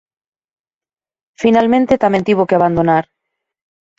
Finalmente tamén tivo que abandonar.